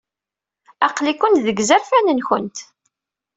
Aql-ikent deg yizerfan-nwent.